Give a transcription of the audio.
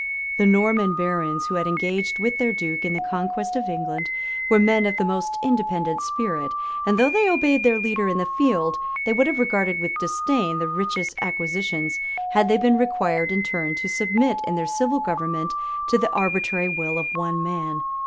The Norman barons, who had engaged with their duke in the conquest of England, were men of the most independent spirit; and though they obeyed their leader in the field, they would have regarded with disdain the richest acquisitions, had they been required, in return, to submit, in their civil government, to the arbitrary will of one man.